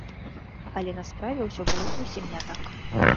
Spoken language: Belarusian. Але на справе ўсё было зусім не так.